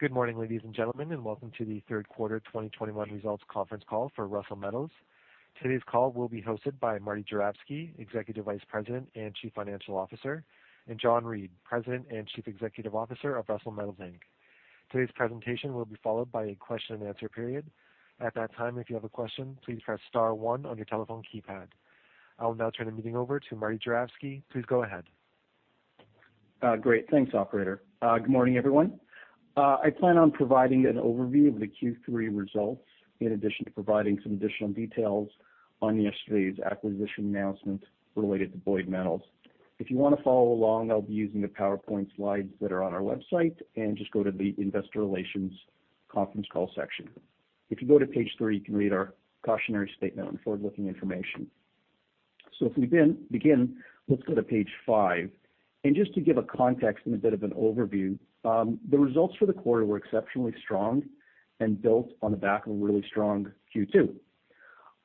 Good morning, ladies and gentlemen, and welcome to the third quarter 2021 results conference call for Russel Metals. Today's call will be hosted by Martin Juravsky, Executive Vice President and Chief Financial Officer, and John Reid, President and Chief Executive Officer of Russel Metals Inc. Today's presentation will be followed by a question-and-answer period. At that time, if you have a question, please press star one on your telephone keypad. I will now turn the meeting over to Marty Jarovsky. Please go ahead. Great. Thanks, operator. Good morning, everyone. I plan on providing an overview of the Q3 results, in addition to providing some additional details on yesterday's acquisition announcement related to Boyd Metals. If you wanna follow along, I'll be using the PowerPoint slides that are on our website, and just go to the Investor Relations Conference Call section. If you go to page three, you can read our cautionary statement on forward-looking information. If we begin, let's go to page five. Just to give a context and a bit of an overview, the results for the quarter were exceptionally strong and built on the back of a really strong Q2.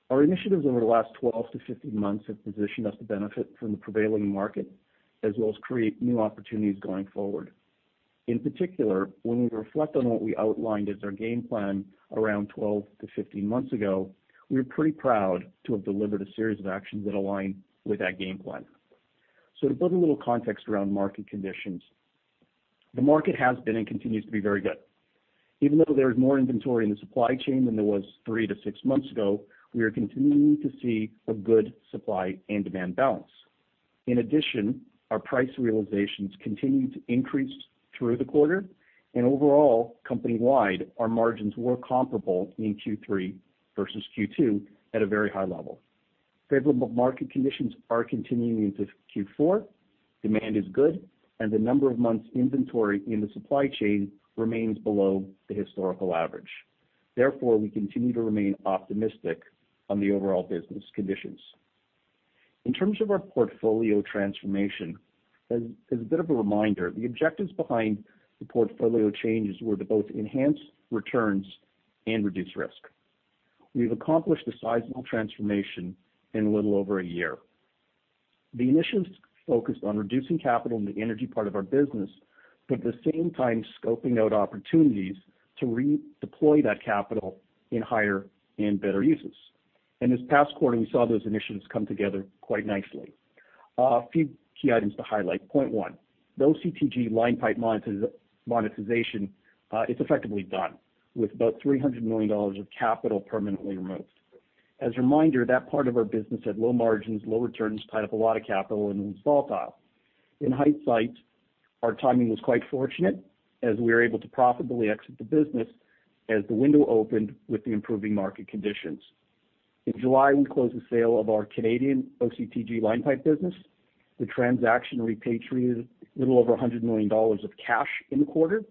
Our initiatives over the last 12 to 15 months have positioned us to benefit from the prevailing market, as well as create new opportunities going forward. In particular, when we reflect on what we outlined as our game plan around 12 to 15 months ago, we're pretty proud to have delivered a series of actions that align with that game plan. To put a little context around market conditions, the market has been and continues to be very good. Even though there is more inventory in the supply chain than there was three to six months ago, we are continuing to see a good supply and demand balance. In addition, our price realizations continued to increase through the quarter and overall, company-wide, our margins were comparable in Q3 versus Q2 at a very high level. Favorable market conditions are continuing into Q4, demand is good, and the number of months inventory in the supply chain remains below the historical average. Therefore, we continue to remain optimistic on the overall business conditions. In terms of our portfolio transformation, as a bit of a reminder, the objectives behind the portfolio changes were to both enhance returns and reduce risk. We've accomplished a sizable transformation in a little over a year. The initiatives focused on reducing capital in the energy part of our business, but at the same time, scoping out opportunities to redeploy that capital in higher and better uses. In this past quarter, we saw those initiatives come together quite nicely. A few key items to highlight. Point one, the OCTG line pipe monetization is effectively done with about 300 million dollars of capital permanently removed. As a reminder, that part of our business had low margins, low returns, tied up a lot of capital, and was volatile. In hindsight, our timing was quite fortunate as we were able to profitably exit the business as the window opened with the improving market conditions. In July, we closed the sale of our Canadian OCTG line pipe business. The transaction repatriated a little over 100 million dollars of cash in the quarter,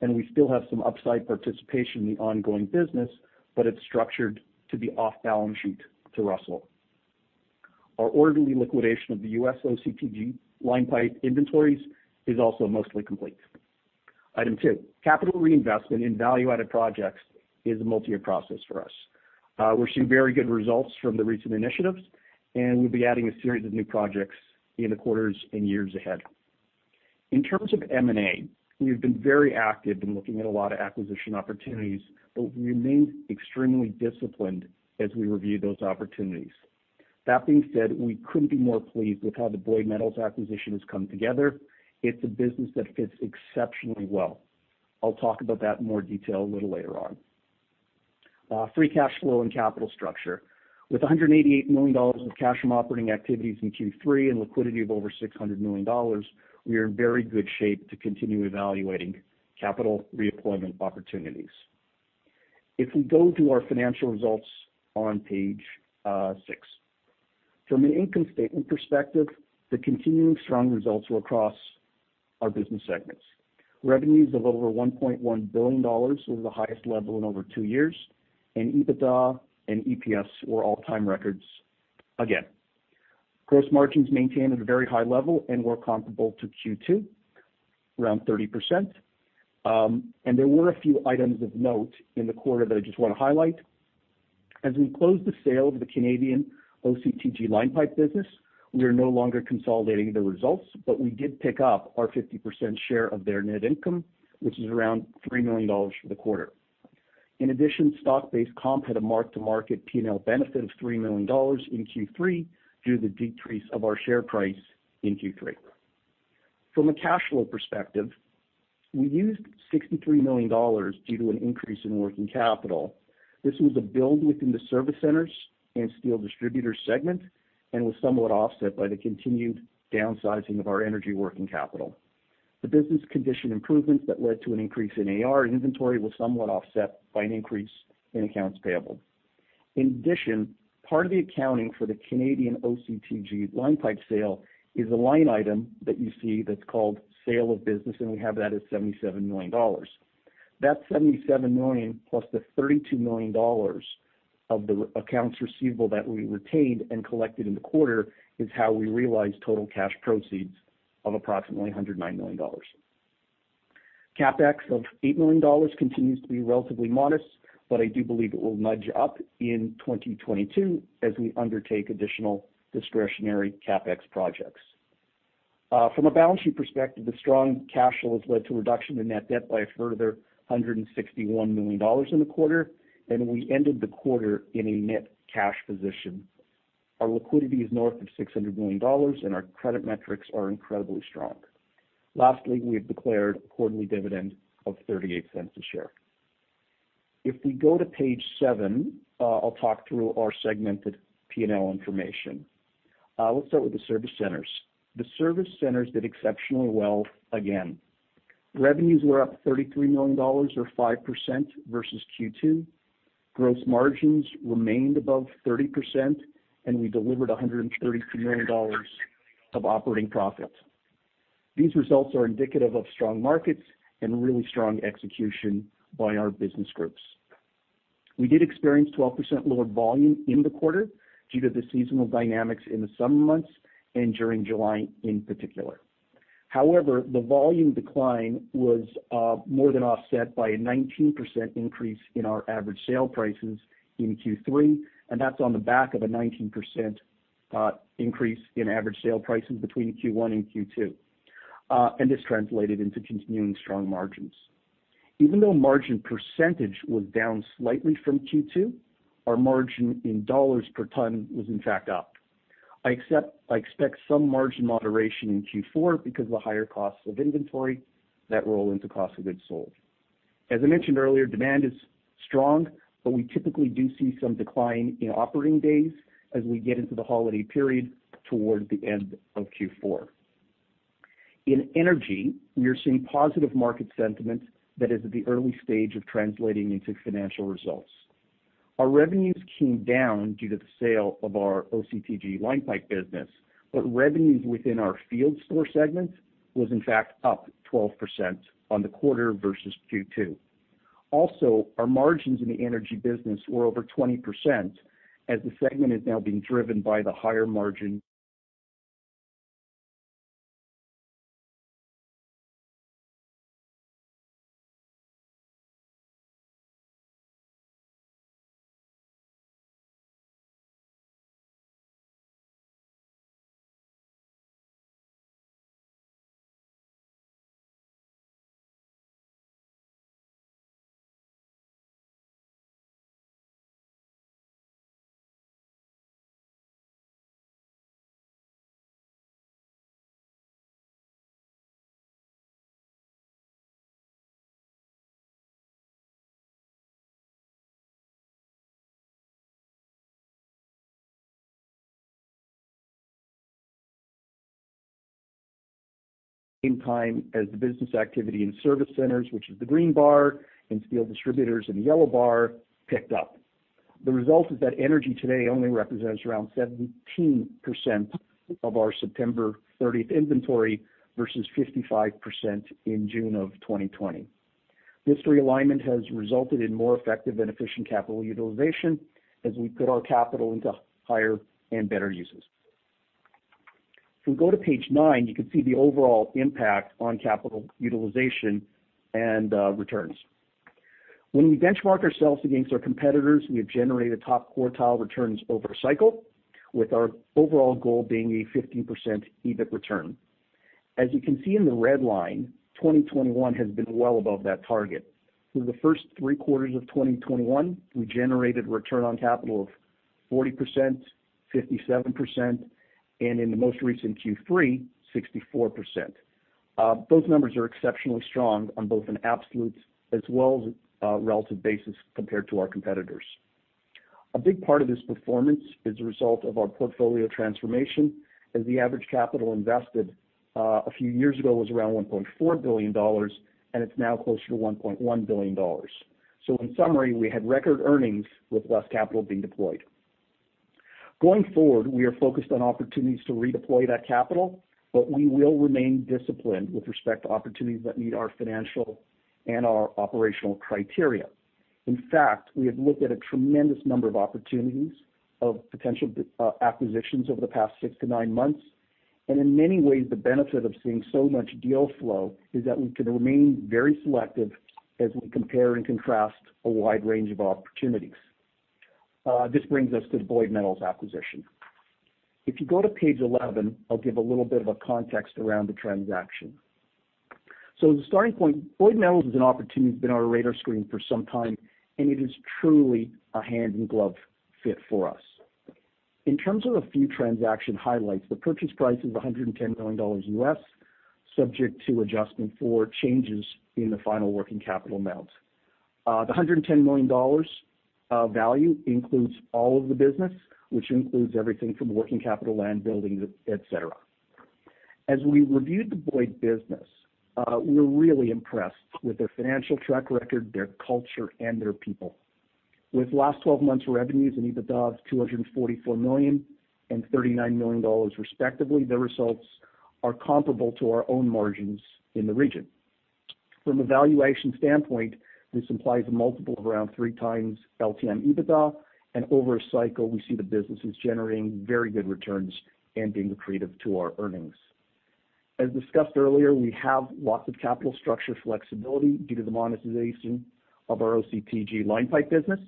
and we still have some upside participation in the ongoing business, but it's structured to be off balance sheet to Russel. Our orderly liquidation of the U.S. OCTG line pipe inventories is also mostly complete. Item two, capital reinvestment in value-added projects is a multi-year process for us. We're seeing very good results from the recent initiatives, and we'll be adding a series of new projects in the quarters and years ahead. In terms of M&A, we have been very active in looking at a lot of acquisition opportunities, but we remain extremely disciplined as we review those opportunities. That being said, we couldn't be more pleased with how the Boyd Metals acquisition has come together. It's a business that fits exceptionally well. I'll talk about that in more detail a little later on. Free cash flow and capital structure. With 188 million dollars of cash from operating activities in Q3 and liquidity of over 600 million dollars, we are in very good shape to continue evaluating capital redeployment opportunities. If we go to our financial results on page six. From an income statement perspective, the continuing strong results were across our business segments. Revenues of over 1.1 billion dollars was the highest level in over two years, and EBITDA and EPS were all-time records again. Gross margins maintained at a very high level and were comparable to Q2, around 30%. There were a few items of note in the quarter that I just wanna highlight. As we closed the sale of the Canadian OCTG line pipe business, we are no longer consolidating the results, but we did pick up our 50% share of their net income, which is around 3 million dollars for the quarter. In addition, stock-based comp had a mark-to-market P&L benefit of 3 million dollars in Q3 due to the decrease of our share price in Q3. From a cash flow perspective, we used 63 million dollars due to an increase in working capital. This was a build within the service centers and steel distributors segment and was somewhat offset by the continued downsizing of our energy working capital. The business condition improvements that led to an increase in AR and inventory was somewhat offset by an increase in accounts payable. In addition, part of the accounting for the Canadian OCTG line pipe sale is a line item that you see that's called sale of business, and we have that at 77 million dollars. That 77 million plus the 32 million dollars of the accounts receivable that we retained and collected in the quarter is how we realized total cash proceeds of approximately 109 million dollars. CapEx of 8 million dollars continues to be relatively modest, but I do believe it will nudge up in 2022 as we undertake additional discretionary CapEx projects. From a balance sheet perspective, the strong cash flow has led to a reduction in net debt by a further 161 million dollars in the quarter, and we ended the quarter in a net cash position. Our liquidity is north of 600 million dollars, and our credit metrics are incredibly strong. Lastly, we have declared a quarterly dividend of 0.38 a share. If we go to page seven, I'll talk through our segmented P&L information. We'll start with the service centers. The service centers did exceptionally well again. Revenues were up 33 million dollars or 5% versus Q2. Gross margins remained above 30%, and we delivered 133 million dollars of operating profit. These results are indicative of strong markets and really strong execution by our business groups. We did experience 12% lower volume in the quarter due to the seasonal dynamics in the summer months and during July in particular. However, the volume decline was more than offset by a 19% increase in our average sale prices in Q3, and that's on the back of a 19% increase in average sale prices between Q1 and Q2. This translated into continuing strong margins. Even though margin percentage was down slightly from Q2, our margin in dollars per ton was in fact up. I expect some margin moderation in Q4 because of the higher costs of inventory that roll into cost of goods sold. As I mentioned earlier, demand is strong, but we typically do see some decline in operating days as we get into the holiday period towards the end of Q4. In energy, we are seeing positive market sentiment that is at the early stage of translating into financial results. Our revenues came down due to the sale of our OCTG line pipe business, but revenues within our Energy Field Stores segment was in fact up 12% on the quarter versus Q2. Also, our margins in the energy business were over 20% as the segment is now being driven by the higher margin same time as the business activity in service centers, which is the green bar, and steel distributors in the yellow bar picked up. The result is that energy today only represents around 17% of our September 30 inventory versus 55% in June 2020. This realignment has resulted in more effective and efficient capital utilization as we put our capital into higher and better uses. If we go to page nine, you can see the overall impact on capital utilization and returns. When we benchmark ourselves against our competitors, we have generated top quartile returns over cycle, with our overall goal being a 15% EBIT return. As you can see in the red line, 2021 has been well above that target. Through the first three quarters of 2021, we generated return on capital of 40%, 57%, and in the most recent Q3, 64%. Those numbers are exceptionally strong on both an absolute as well as relative basis compared to our competitors. A big part of this performance is a result of our portfolio transformation, as the average capital invested, a few years ago was around 1.4 billion dollars, and it's now closer to 1.1 billion dollars. In summary, we had record earnings with less capital being deployed. Going forward, we are focused on opportunities to redeploy that capital, but we will remain disciplined with respect to opportunities that meet our financial and our operational criteria. In fact, we have looked at a tremendous number of opportunities of potential acquisitions over the past six to nine months, and in many ways, the benefit of seeing so much deal flow is that we can remain very selective as we compare and contrast a wide range of opportunities. This brings us to the Boyd Metals acquisition. If you go to page 11, I'll give a little bit of a context around the transaction. The starting point, Boyd Metals is an opportunity that's been on our radar screen for some time, and it is truly a hand-in-glove fit for us. In terms of a few transaction highlights, the purchase price is $110 million, subject to adjustment for changes in the final working capital amount. The $110 million value includes all of the business, which includes everything from working capital, land buildings, et cetera. As we reviewed the Boyd business, we were really impressed with their financial track record, their culture, and their people. With last 12 months revenues and EBITDA of $244 million and $39 million respectively, their results are comparable to our own margins in the region. From a valuation standpoint, this implies a multiple of around 3x LTM EBITDA, and over a cycle, we see the businesses generating very good returns and being accretive to our earnings. As discussed earlier, we have lots of capital structure flexibility due to the monetization of our OCTG line pipe business.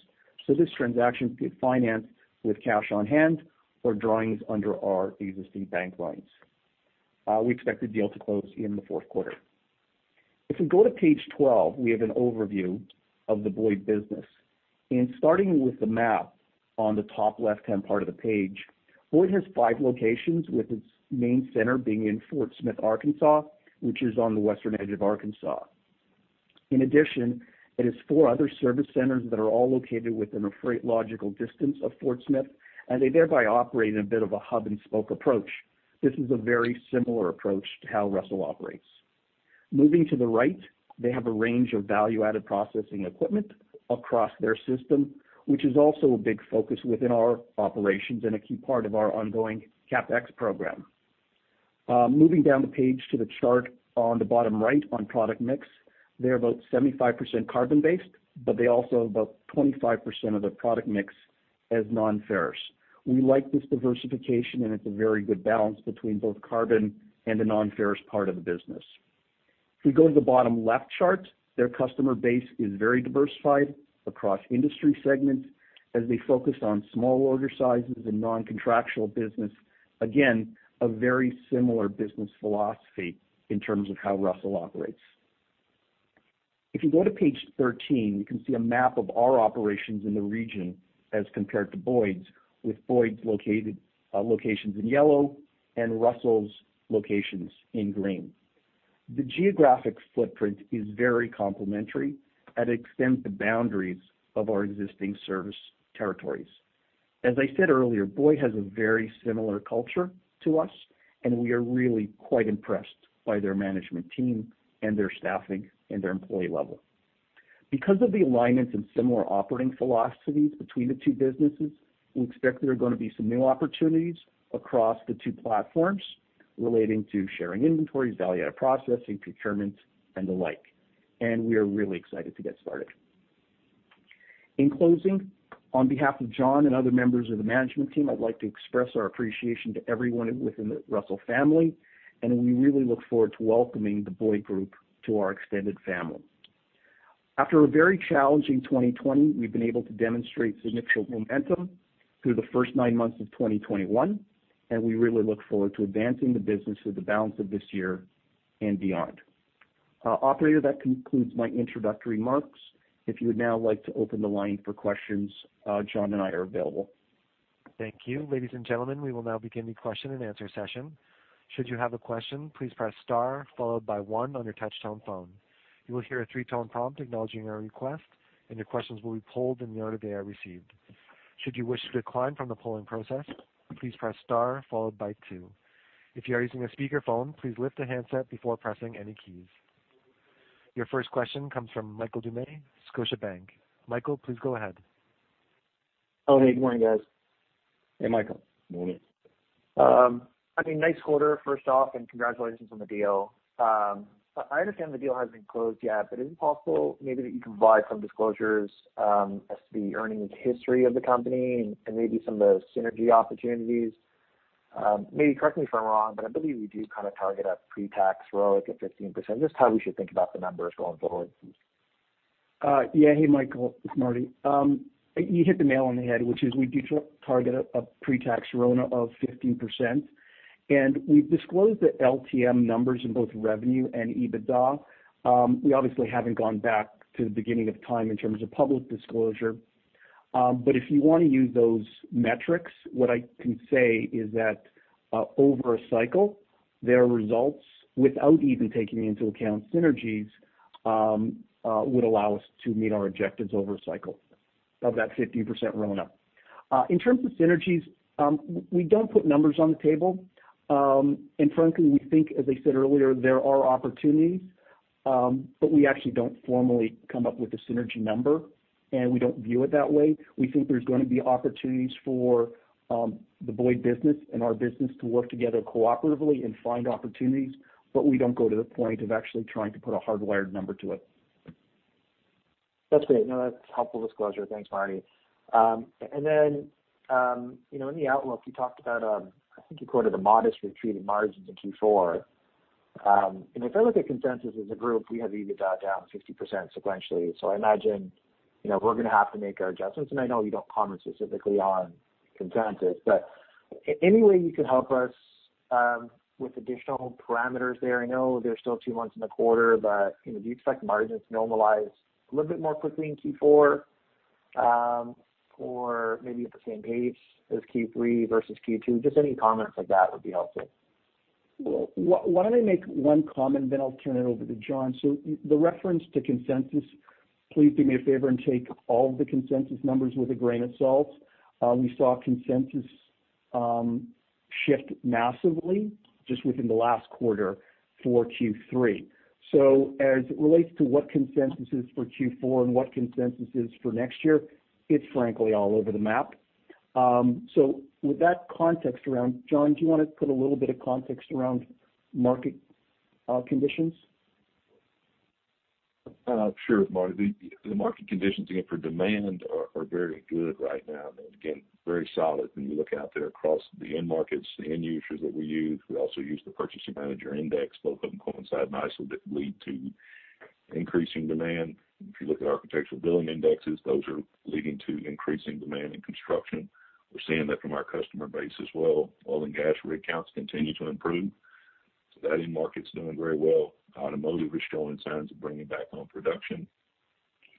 This transaction could finance with cash on hand or drawings under our existing bank lines. We expect the deal to close in the fourth quarter. If we go to page 12, we have an overview of the Boyd business. Starting with the map on the top left-hand part of the page, Boyd has five locations, with its main center being in Fort Smith, Arkansas, which is on the western edge of Arkansas. In addition, it has four other service centers that are all located within a freight-logical distance of Fort Smith, and they thereby operate in a bit of a hub-and-spoke approach. This is a very similar approach to how Russel operates. Moving to the right, they have a range of value-added processing equipment across their system, which is also a big focus within our operations and a key part of our ongoing CapEx program. Moving down the page to the chart on the bottom right on product mix, they're about 75% carbon-based, but they also have about 25% of their product mix as nonferrous. We like this diversification, and it's a very good balance between both carbon and the nonferrous part of the business. If we go to the bottom left chart, their customer base is very diversified across industry segments as they focus on small order sizes and non-contractual business. Again, a very similar business philosophy in terms of how Russel operates. If you go to page 13, you can see a map of our operations in the region as compared to Boyd's, with Boyd's locations in yellow and Russel's locations in green. The geographic footprint is very complementary and extends the boundaries of our existing service territories. As I said earlier, Boyd has a very similar culture to us, and we are really quite impressed by their management team and their staffing and their employee level. Because of the alignments and similar operating philosophies between the two businesses, we expect there are gonna be some new opportunities across the two platforms relating to sharing inventories, value-added processing, procurements, and the like. We are really excited to get started. In closing, on behalf of John and other members of the management team, I'd like to express our appreciation to everyone within the Russel family, and we really look forward to welcoming the Boyd group to our extended family. After a very challenging 2020, we've been able to demonstrate significant momentum through the first nine months of 2021, and we really look forward to advancing the business through the balance of this year and beyond. Operator, that concludes my introductory remarks. If you would now like to open the line for questions, John and I are available. Thank you. Ladies and gentlemen, we will now begin the question-and-answer session. Should you have a question, please press star followed by one on your touchtone phone. You will hear a three-tone prompt acknowledging our request, and your questions will be pulled in the order they are received. Should you wish to decline from the polling process, please press star followed by two. If you are using a speakerphone, please lift the handset before pressing any keys. Your first question comes from Michael Doumet, Scotiabank. Michael, please go ahead. Oh, hey, good morning, guys. Hey, Michael. Morning. I mean, nice quarter, first off, and congratulations on the deal. I understand the deal hasn't been closed yet, but is it possible maybe that you can provide some disclosures, as to the earnings history of the company and maybe some of the synergy opportunities? Maybe correct me if I'm wrong, but I believe we do kind of target a pre-tax ROIC at 15%. Just how we should think about the numbers going forward. Hey, Michael, it's Marty. You hit the nail on the head, which is we do target a pre-tax RONA of 15%, and we've disclosed the LTM numbers in both revenue and EBITDA. We obviously haven't gone back to the beginning of time in terms of public disclosure. But if you wanna use those metrics, what I can say is that over a cycle, their results, without even taking into account synergies, would allow us to meet our objectives over a cycle of that 15% RONA. In terms of synergies, we don't put numbers on the table. And frankly, we think, as I said earlier, there are opportunities, but we actually don't formally come up with a synergy number, and we don't view it that way. We think there's gonna be opportunities for the Boyd business and our business to work together cooperatively and find opportunities, but we don't go to the point of actually trying to put a hardwired number to it. That's great. No, that's helpful disclosure. Thanks, Marty. And then, you know, in the outlook, you talked about, I think you quoted a modest retreat in margins in Q4. And if I look at consensus as a group, we have the EBITDA down 50% sequentially. So I imagine, you know, we're gonna have to make our adjustments, and I know you don't comment specifically on consensus, but any way you could help us, with additional parameters there? I know there's still two months in the quarter, but, you know, do you expect margins to normalize a little bit more quickly in Q4, or maybe at the same pace as Q3 versus Q2? Just any comments like that would be helpful. Why don't I make one comment, then I'll turn it over to John. The reference to consensus, please do me a favor and take all the consensus numbers with a grain of salt. We saw consensus shift massively just within the last quarter for Q3. As it relates to what consensus is for Q4 and what consensus is for next year, it's frankly all over the map. With that context around, John, do you want to put a little bit of context around market conditions? Sure, Marty. The market conditions again for demand are very good right now. Again, very solid when you look out there across the end markets, the end users that we use. We also use the Purchasing Managers' Index. Both of them coincide nicely that lead to increasing demand. If you look at Architecture Billings Index, those are leading to increasing demand in construction. We're seeing that from our customer base as well. Oil and gas rig counts continue to improve. That end market's doing very well. Automotive is showing signs of bringing back on production,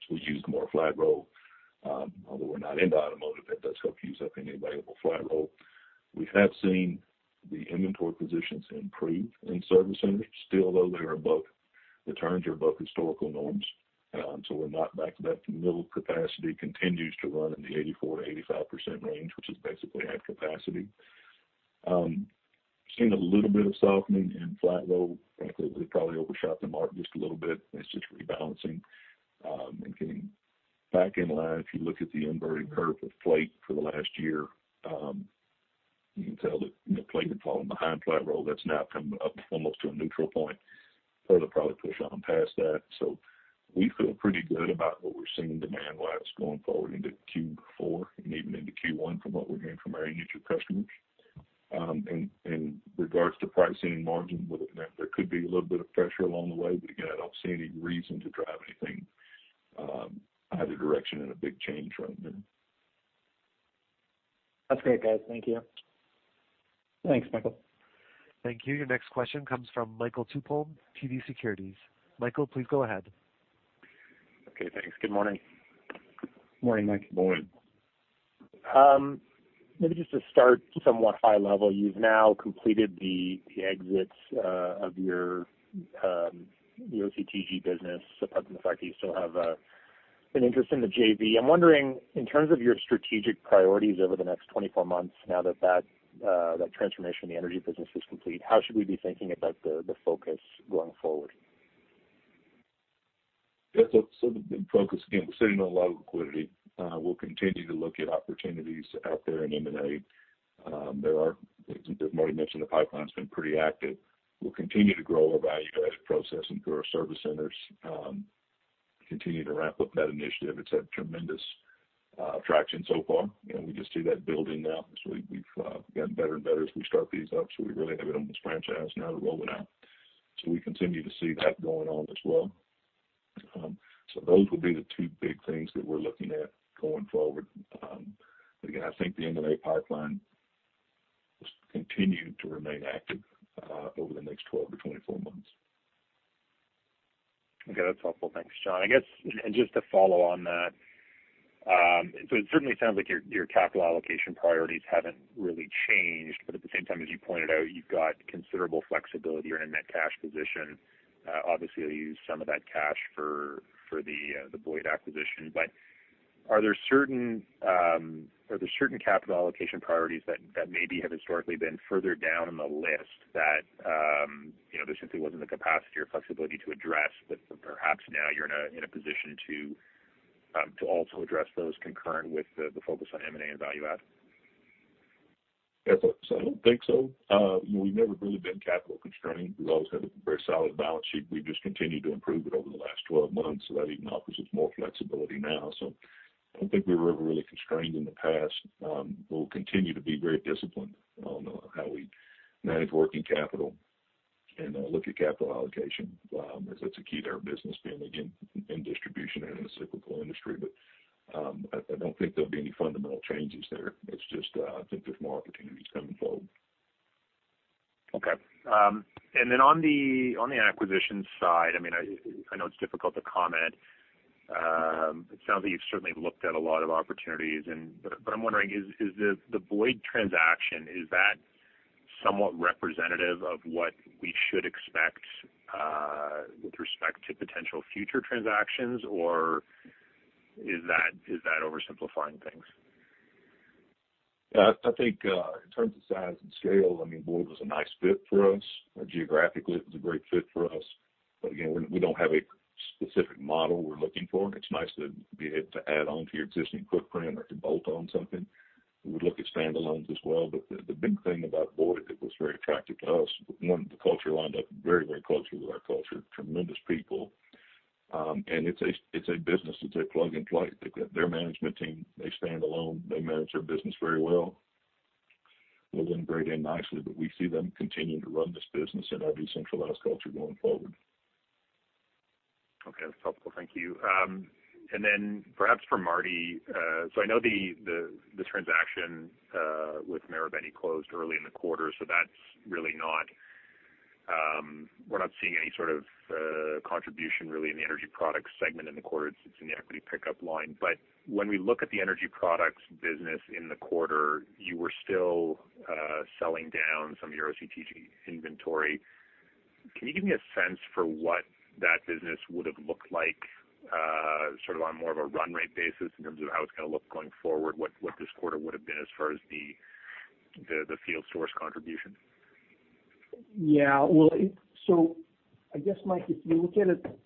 which will use more flat roll. Although we're not into automotive, that does help use up any available flat roll. We have seen the inventory positions improve in service centers. Still, though, they are above. The turns are above historical norms. We're not back to that. Mill capacity continues to run in the 84%-85% range, which is basically at capacity. Seeing a little bit of softening in flat roll. Frankly, we probably overshot the mark just a little bit, and it's just rebalancing, and getting back in line. If you look at the inverted curve of plate for the last year, you can tell that, you know, plate had fallen behind flat roll. That's now come up almost to a neutral point. It'll probably push on past that. We feel pretty good about what we're seeing demand-wise going forward into Q4 and even into Q1 from what we're hearing from our end user customers. In regards to pricing and margin with it, there could be a little bit of pressure along the way, but again, I don't see any reason to drive anything, either direction in a big change right now. That's great, guys. Thank you. Thanks, Michael. Thank you. Your next question comes from Michael Tupholme, TD Securities. Michael, please go ahead. Okay, thanks. Good morning. Morning, Mike. Morning. Maybe just to start somewhat high level, you've now completed the exits of your OCTG business, apart from the fact that you still have an interest in the JV. I'm wondering, in terms of your strategic priorities over the next 24 months now that that transformation in the energy business is complete, how should we be thinking about the focus going forward? Yes, the focus, again, we're sitting on a lot of liquidity. We'll continue to look at opportunities out there in M&A. As Marty mentioned, the pipeline's been pretty active. We'll continue to grow our value add process and through our service centers, continue to ramp up that initiative. It's had tremendous traction so far, and we just see that building now as we've gotten better and better as we start these up, so we really have an almost franchise now to roll it out. We continue to see that going on as well. Those will be the two big things that we're looking at going forward. Again, I think the M&A pipeline will continue to remain active over the next 12 to 24 months. Okay, that's helpful. Thanks, John. I guess, just to follow on that, it certainly sounds like your capital allocation priorities haven't really changed, but at the same time, as you pointed out, you've got considerable flexibility around net cash position. Obviously you'll use some of that cash for the Boyd acquisition. Are there certain capital allocation priorities that maybe have historically been further down the list that you know, there simply wasn't the capacity or flexibility to address, but perhaps now you're in a position to also address those concurrent with the focus on M&A and value add? I don't think so. You know, we've never really been capital constrained. We've always had a very solid balance sheet. We've just continued to improve it over the last 12 months, so that even offers us more flexibility now. I don't think we were ever really constrained in the past. We'll continue to be very disciplined on how we manage working capital and look at capital allocation, as that's a key to our business being, again, in distribution and in a cyclical industry. I don't think there'll be any fundamental changes there. It's just I think there's more opportunities coming forward. On the acquisition side, I mean, I know it's difficult to comment. It sounds like you've certainly looked at a lot of opportunities, and I'm wondering, is the Boyd transaction somewhat representative of what we should expect with respect to potential future transactions? Or is that oversimplifying things? Yeah. I think, in terms of size and scale, I mean, Boyd was a nice fit for us. Geographically, it was a great fit for us. Again, we don't have a specific model we're looking for. It's nice to be able to add on to your existing footprint or to bolt on something. We would look at standalones as well. The big thing about Boyd that was very attractive to us, one, the culture lined up very, very closely with our culture. Tremendous people. And it's a business that's a plug and play. They've got their management team, they stand alone, they manage their business very well. It'll integrate in nicely, but we see them continuing to run this business in our decentralized culture going forward. Okay, that's helpful. Thank you. And then perhaps for Marty, so I know the transaction with Marubeni closed early in the quarter, so that's really not. We're not seeing any sort of contribution really in the Energy Field Stores segment in the quarter. It's in the equity pickup line. When we look at the Energy Field Stores business in the quarter, you were still selling down some of your OCTG inventory. Can you give me a sense for what that business would have looked like, sort of on more of a run rate basis in terms of how it's gonna look going forward? What this quarter would have been as far as the Energy Field Stores contribution? Yeah. Well, I guess, Mike, if you look at it,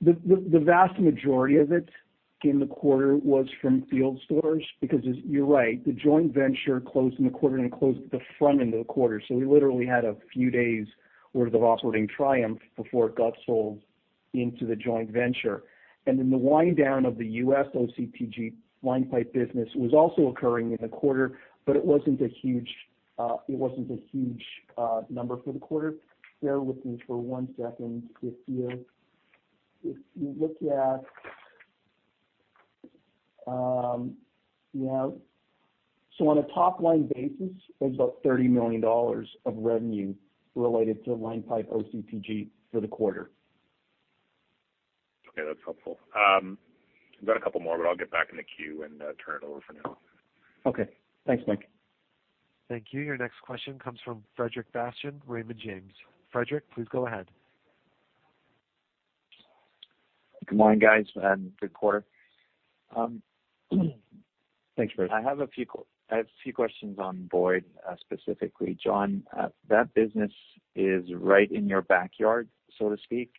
the vast majority of it in the quarter was from field stores because you're right. The joint venture closed in the quarter and it closed at the front end of the quarter. We literally had a few days worth of offloading Triumph before it got sold into the joint venture. Then the wind down of the U.S. OCTG line pipe business was also occurring in the quarter, but it wasn't a huge number for the quarter. Bear with me for one second. If you look at yeah. On a top-line basis, it was about 30 million dollars of revenue related to line pipe OCTG for the quarter. Okay, that's helpful. Got a couple more, but I'll get back in the queue and turn it over for now. Okay. Thanks, Mike. Thank you. Your next question comes from Frederic Bastien, Raymond James. Frederic, please go ahead. Good morning, guys, and good quarter. Thanks, Fred. I have a few questions on Boyd, specifically. John, that business is right in your backyard, so to speak.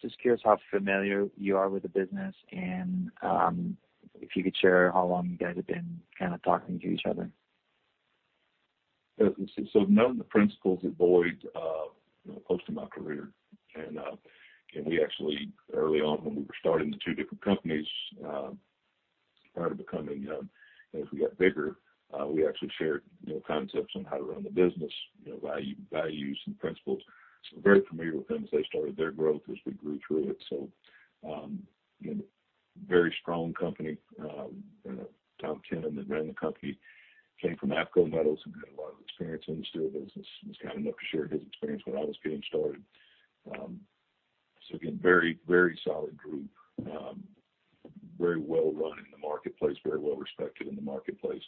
Just curious how familiar you are with the business and, if you could share how long you guys have been kinda talking to each other. Yeah. I've known the principals at Boyd, you know, most of my career. We actually, early on, when we were starting the two different companies, prior to becoming, as we got bigger, we actually shared, you know, concepts on how to run the business, you know, values and principles. Very familiar with them as they started their growth, as we grew through it. Again, very strong company. You know, Tom Kennon that ran the company came from AFCO Metals and got a lot of experience in the steel business, and was kind enough to share his experience when I was getting started. Again, very, very solid group. Very well-run in the marketplace, very well-respected in the marketplace.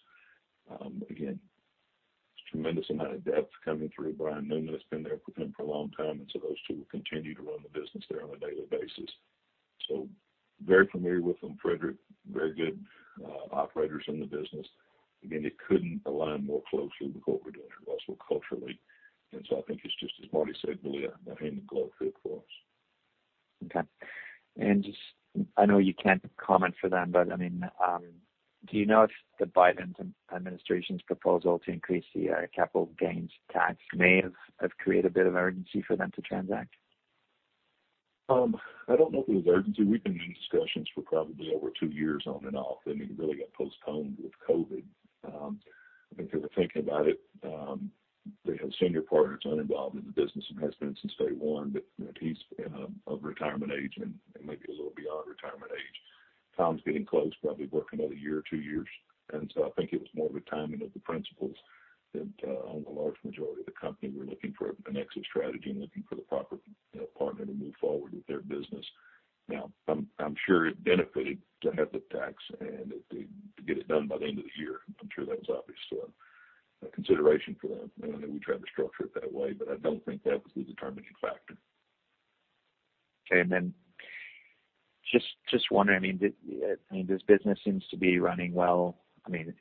Again, there's tremendous amount of depth coming through. Brian Newman has been there with him for a long time, and so those two will continue to run the business there on a daily basis. Very familiar with them, Frederic, very good operators in the business. Again, they couldn't align more closely with what we're doing at Russel culturally. I think it's just, as Marty said earlier, a hand-in-glove fit for us. Okay. Just, I know you can't comment for them, but, I mean, do you know if the Biden administration's proposal to increase the capital gains tax may have created a bit of urgency for them to transact? I don't know if it was urgency. We've been in discussions for probably over two years on and off, and it really got postponed with COVID. I think they were thinking about it. They have senior partners uninvolved in the business and has been since day one, but, you know, he's of retirement age and maybe a little beyond retirement age. Tom's getting close, probably work another year or two years. I think it was more of a timing of the principals that own the large majority of the company were looking for an exit strategy and looking for the proper, you know, partner to move forward with their business. Now, I'm sure it benefited to have the tax and to get it done by the end of the year. I'm sure that was obviously a consideration for them, you know, that we tried to structure it that way, but I don't think that was the determining factor. Okay. Just wondering, I mean, this business seems to be running well. I mean,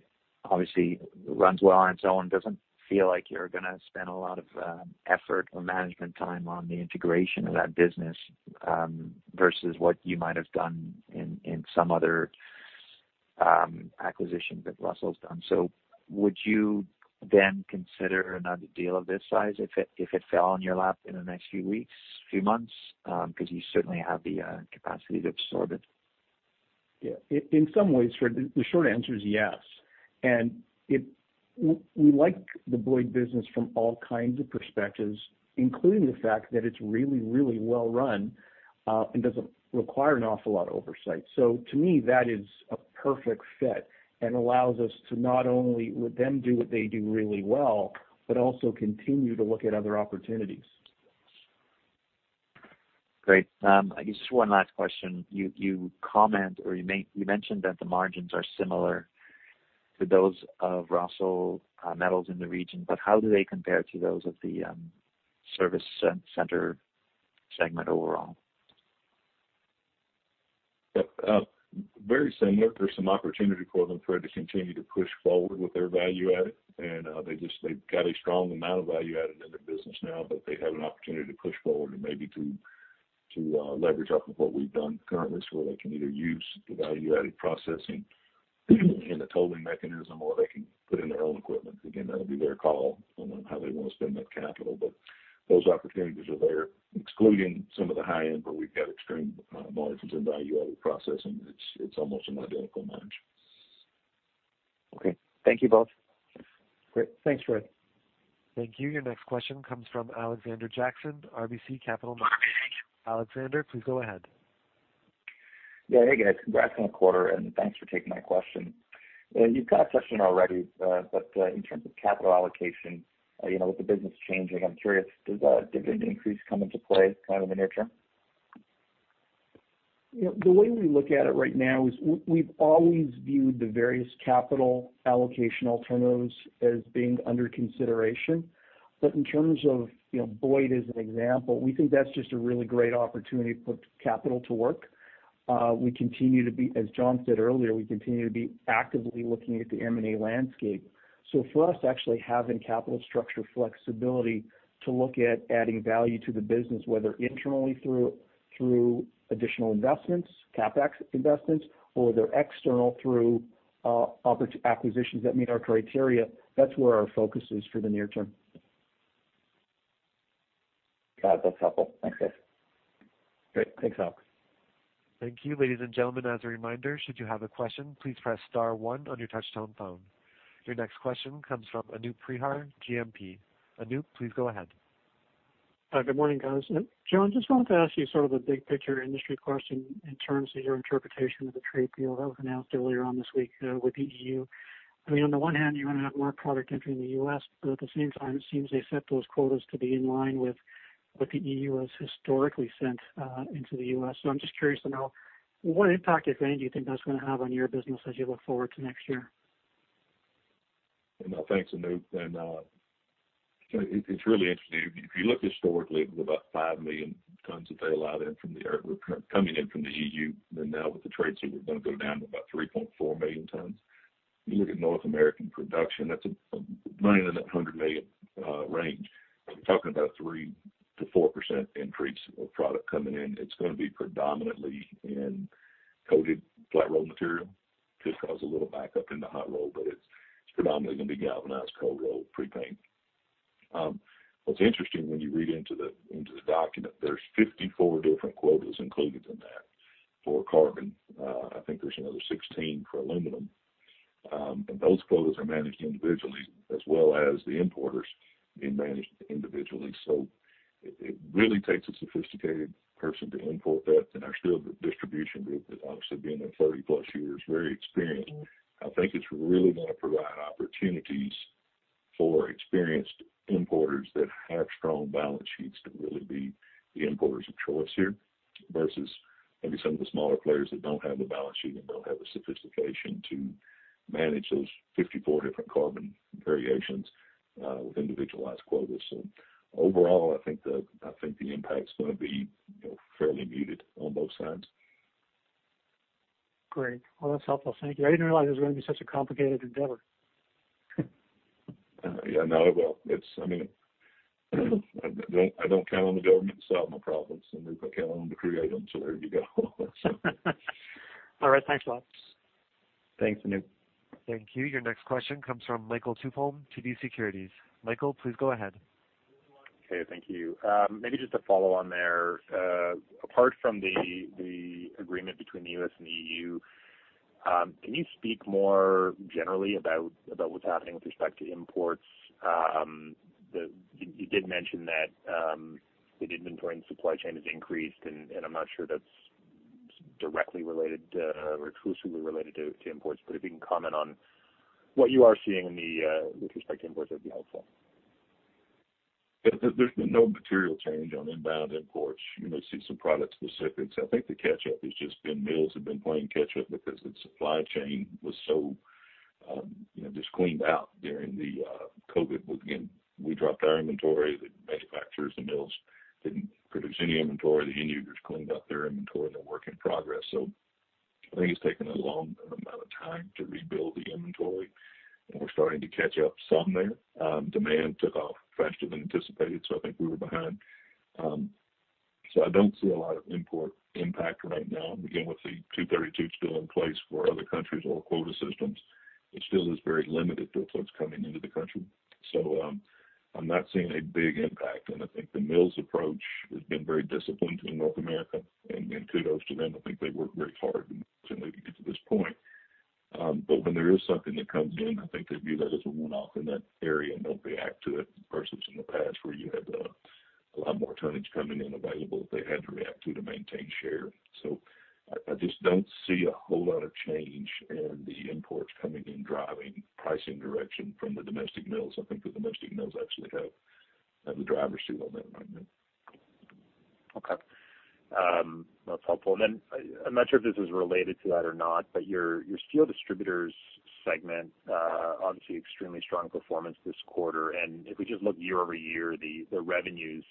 obviously runs well on its own. Doesn't feel like you're gonna spend a lot of effort or management time on the integration of that business versus what you might have done in some other acquisitions that Russel's done. Would you then consider another deal of this size if it fell on your lap in the next few weeks, few months? 'Cause you certainly have the capacity to absorb it. Yeah. In some ways, Fred, the short answer is yes. We like the Boyd business from all kinds of perspectives, including the fact that it's really well run and doesn't require an awful lot of oversight. To me, that is a perfect fit and allows us to not only let them do what they do really well, but also continue to look at other opportunities. Great. I guess just one last question. You mentioned that the margins are similar to those of Russel Metals in the region, but how do they compare to those of the service center segment overall? Yep. Very similar. There's some opportunity for them, Fred, to continue to push forward with their value add, and they've got a strong amount of value add in their business now, but they have an opportunity to push forward and maybe to leverage off of what we've done currently, so where they can either use the value-added processing in a tolling mechanism or they can put in their own equipment. Again, that'll be their call on how they wanna spend that capital, but those opportunities are there. Excluding some of the high end, where we've got extreme margins in value-added processing, it's almost an identical margin. Okay. Thank you both. Great. Thanks, Fred. Thank you. Your next question comes from Alexander Jackson, RBC Capital Markets. Alexander, please go ahead. Yeah. Hey, guys. Congrats on the quarter, and thanks for taking my question. You've got a question already, but in terms of capital allocation, you know, with the business changing, I'm curious, does dividend increase come into play kind of in the near-term? You know, the way we look at it right now is we've always viewed the various capital allocation alternatives as being under consideration. In terms of, you know, Boyd as an example, we think that's just a really great opportunity to put capital to work. We continue to be, as John said earlier, actively looking at the M&A landscape. For us, actually having capital structure flexibility to look at adding value to the business, whether internally through additional investments, CapEx investments, or there external through acquisitions that meet our criteria, that's where our focus is for the near-term. Got it. That's helpful. Thanks, [Marty]. Great. Thanks, Alex. Thank you. Ladies and gentlemen, as a reminder, should you have a question, please press star one on your touchtone phone. Your next question comes from Anup Rehar, GMP. Anup, please go ahead. Good morning, guys. John, just wanted to ask you sort of a big picture industry question in terms of your interpretation of the trade deal that was announced earlier on this week, with The EU. I mean, on the one hand, you want to have more product entering The U.S., but at the same time, it seems they set those quotas to be in line with what The EU has historically sent, into The U.S. I'm just curious to know what impact, if any, do you think that's gonna have on your business as you look forward to next year? You know, thanks, Anup. It's really interesting. If you look historically, it was about 5 million tons that they allowed in coming in from The EU. Now with the trade suit, we're gonna go down to about 3.4 million tons. You look at North American production, that's a 110 million range. We're talking about 3% to 4% increase of product coming in. It's gonna be predominantly in coated flat roll material. Could cause a little backup in the hot roll, but it's predominantly gonna be galvanized cold roll prepaint. What's interesting when you read into the document, there's 54 different quotas included in that for carbon. I think there's another 16 for aluminum. Those quotas are managed individually as well as the importers being managed individually. It really takes a sophisticated person to import that. Our steel distribution group has obviously been there 30+ years, very experienced. I think it's really gonna provide opportunities for experienced importers that have strong balance sheets to really be the importers of choice here versus maybe some of the smaller players that don't have the balance sheet and don't have the sophistication to manage those 54 different carbon variations with individualized quotas. Overall, I think the impact's gonna be, you know, fairly muted on both sides. Great. Well, that's helpful. Thank you. I didn't realize it was gonna be such a complicated endeavor. Yeah, no, well, it's, I mean, I don't count on the government to solve my problems, Anup. I count on them to create them, so there you go. All right. Thanks a lot. Thanks, Anup. Thank you. Your next question comes from Michael Tupholme, TD Securities. Michael, please go ahead. Okay. Thank you. Maybe just a follow on there. Apart from the agreement between The U.S. and The EU, can you speak more generally about what's happening with respect to imports? You did mention that the inventory and supply chain has increased, and I'm not sure that's directly related to or exclusively related to imports, but if you can comment on what you are seeing with respect to imports, that'd be helpful. Yeah. There's been no material change on inbound imports. You may see some product specifics. I think the catch-up has just been mills have been playing catch-up because the supply chain was so, you know, just cleaned out during the COVID. Again, we dropped our inventory. The manufacturers, the mills didn't produce any inventory. The end users cleaned out their inventory and their work in progress. I think it's taken a long amount of time to rebuild the inventory, and we're starting to catch up some there. Demand took off faster than anticipated, so I think we were behind. I don't see a lot of import impact right now. Again, with the Section 232 still in place for other countries or quota systems, it still is very limited to what's coming into the country. I'm not seeing a big impact. I think the mills approach has been very disciplined in North America. Kudos to them. I think they worked very hard to maybe get to this point. When there is something that comes in, I think they view that as a one-off in that area and don't react to it versus in the past where you had a lot more tonnage coming in available that they had to react to maintain share. I just don't see a whole lot of change in the imports coming in driving pricing direction from the domestic mills. I think the domestic mills actually have the driver's seat on that right now. Okay. That's helpful. Then I'm not sure if this is related to that or not, but your steel distributors segment obviously extremely strong performance this quarter. If we just look year-over-year, the revenues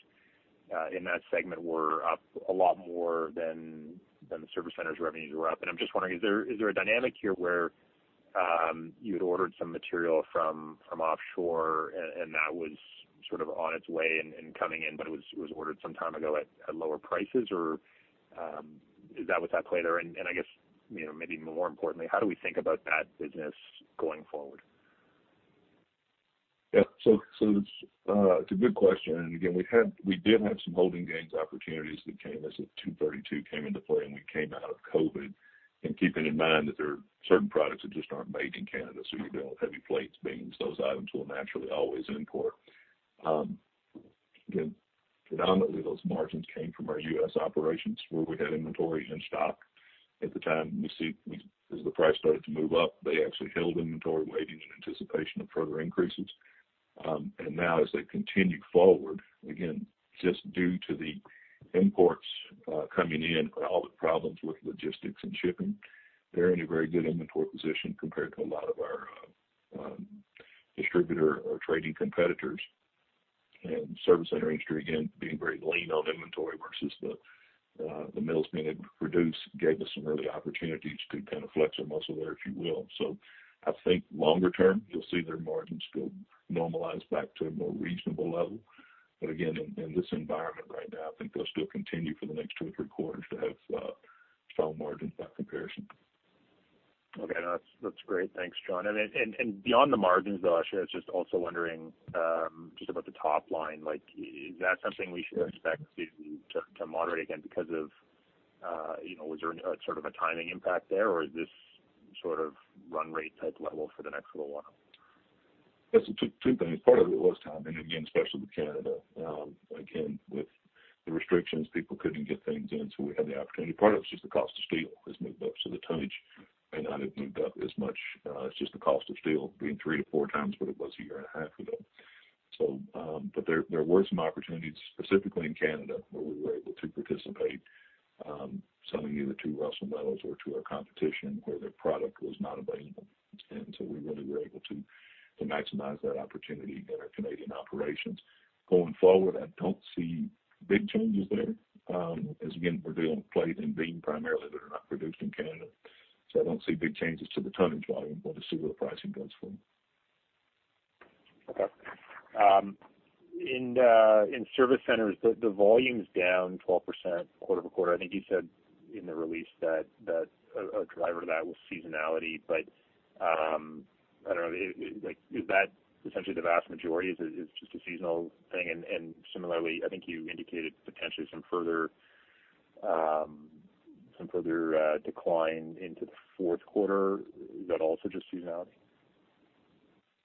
in that segment were up a lot more than the service centers revenues were up. I'm just wondering, is there a dynamic here where you had ordered some material from offshore and that was sort of on its way and coming in, but it was ordered some time ago at lower prices, or is that what's at play there? I guess, you know, maybe more importantly, how do we think about that business going forward? Yeah. That's a good question. Again, we did have some holding gains opportunities that came as the Section 232 came into play, and we came out of COVID. Keeping in mind that there are certain products that just aren't made in Canada, so you know, heavy plates, beams, those items we'll naturally always import. Again, predominantly those margins came from our U.S. operations where we had inventory in stock at the time. As the price started to move up, they actually held inventory waiting in anticipation of further increases. Now as they continue forward, again, just due to the imports coming in, all the problems with logistics and shipping, they're in a very good inventory position compared to a lot of our distributor or trading competitors. Service center industry, again, being very lean on inventory versus the mills being able to produce, gave us some early opportunities to kind of flex our muscle there, if you will. I think longer-term, you'll see their margins still normalize back to a more reasonable level. Again, in this environment right now, I think they'll still continue for the next two or three quarters to have strong margins by comparison. Okay. No, that's great. Thanks, John. Beyond the margins though, I was just also wondering just about the top line, like, is that something we should expect to moderate again because of, was there sort of a timing impact there, or is this sort of run rate type level for the next little while? Yes, two things. Part of it was timing, again, especially with Canada. Again, with the restrictions, people couldn't get things in, so we had the opportunity. Part of it is just the cost of steel has moved up, so the tonnage may not have moved up as much. It's just the cost of steel being three to four times what it was a year and a half ago. But there were some opportunities specifically in Canada where we were able to participate, selling either to Russel Metals or to our competition where their product was not available. We really were able to maximize that opportunity in our Canadian operations. Going forward, I don't see big changes there, as again, we're dealing with plate and beam primarily that are not produced in Canada. I don't see big changes to the tonnage volume, but we'll see where the pricing goes for them. Okay. In service centers, the volume's down 12% quarter-over-quarter. I think you said in the release that a driver to that was seasonality. I don't know, like, is that essentially the vast majority? Is it just a seasonal thing? Similarly, I think you indicated potentially some further decline into the fourth quarter. Is that also just seasonality?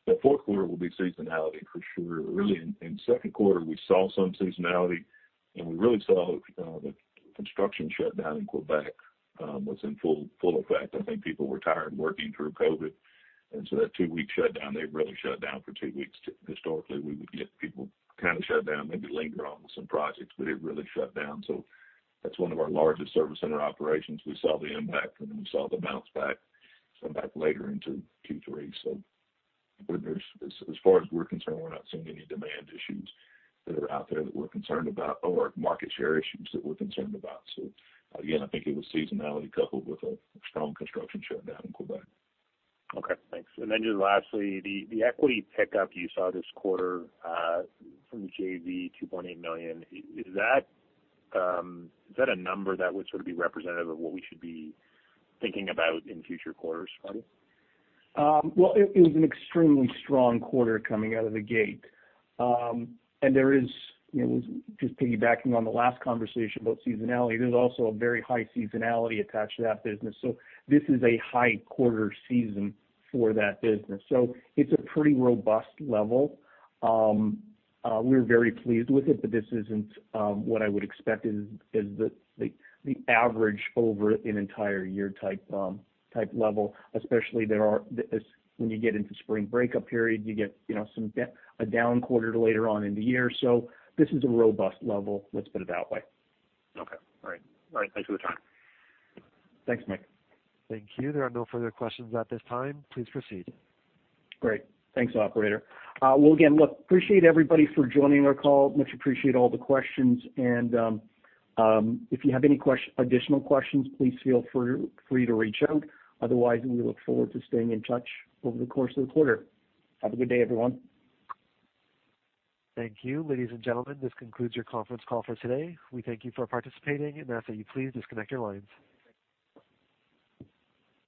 The fourth quarter will be seasonality for sure. Really, in second quarter, we saw some seasonality, and we really saw the construction shut down in Quebec was in full effect. I think people were tired working through COVID, and that two-week shutdown, they really shut down for two weeks. Historically, we would get people kind of shut down, maybe linger on with some projects, but it really shut down. That's one of our largest service center operations. We saw the impact, and then we saw the bounce back somewhat later into Q3. But there's. As far as we're concerned, we're not seeing any demand issues that are out there that we're concerned about or market share issues that we're concerned about. Again, I think it was seasonality coupled with a strong construction shutdown in Quebec. Okay, thanks. Just lastly, the equity pickup you saw this quarter from JV 2.8 million, is that a number that would sort of be representative of what we should be thinking about in future quarters, Marty? Well, it was an extremely strong quarter coming out of the gate. There is, you know, just piggybacking on the last conversation about seasonality, there's also a very high seasonality attached to that business. This is a high quarter season for that business. It's a pretty robust level. We're very pleased with it, but this isn't what I would expect as the average over an entire year type level. Especially, as when you get into spring breakup period, you get, you know, some a down quarter later on in the year. This is a robust level, let's put it that way. Okay. All right, thanks for the time. Thanks, Mike. Thank you. There are no further questions at this time. Please proceed. Great. Thanks, operator. Well, again, look, I appreciate everybody for joining our call. I much appreciate all the questions. If you have any additional questions, please feel free to reach out. Otherwise, we look forward to staying in touch over the course of the quarter. Have a good day, everyone. Thank you. Ladies and gentlemen, this concludes your conference call for today. We thank you for participating and ask that you please disconnect your lines.